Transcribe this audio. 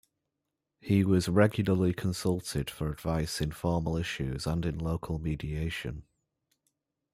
He was regularly consulted for advice in formal issues and in local mediation.